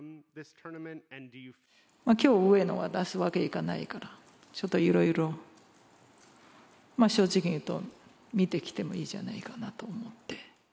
きょう上野を出すわけにはいかないから、ちょっといろいろ正直に言うと、見てきてもいいんじゃないかなと思って。